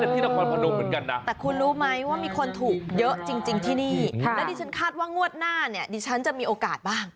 แต่คุณรู้ไหมว่ามีคนถูกเยอะจริงที่นี่แล้วดิฉันคาดว่างวัดหน้าดิฉันจะมีโอกาสบ้าง